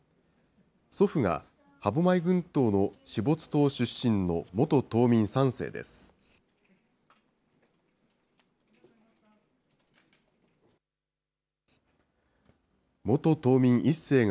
祖父が歯舞群島の志発島出身の元島民３世です。